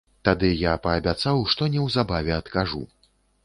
Тады я паабяцаў, што неўзабаве адкажу.